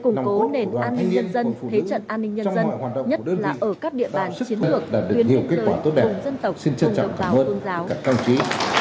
củng cố nền an ninh nhân dân thế trận an ninh nhân dân nhất là ở các địa bàn chiến lược tuyên truyền kết quả tốt đẹp xin trân trọng cảm ơn các công chí